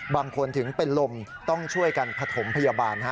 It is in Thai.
บางคนถึงเป็นลมต้องช่วยกันผสมพยาบาล